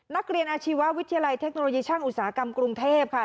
นักเรียนอาชีววิทยาลัยเทคโนโลยีช่างอุตสาหกรรมกรุงเทพค่ะ